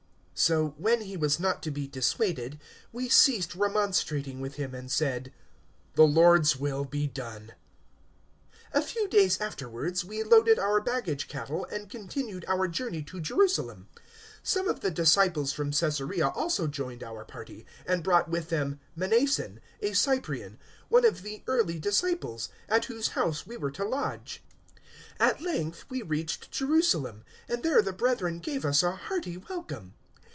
021:014 So when he was not to be dissuaded, we ceased remonstrating with him and said, "The Lord's will be done!" 021:015 A few days afterwards we loaded our baggage cattle and continued our journey to Jerusalem. 021:016 Some of the disciples from Caesarea also joined our party, and brought with them Mnason, a Cyprian, one of the early disciples, at whose house we were to lodge. 021:017 At length we reached Jerusalem, and there the brethren gave us a hearty welcome.